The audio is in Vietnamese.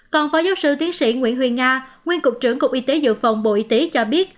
còn phó giáo sư tiến sĩ nguyễn huyền nga nguyên cục trưởng cục y tế dự phòng bộ y tế cho biết